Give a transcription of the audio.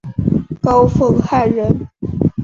高凤翰人。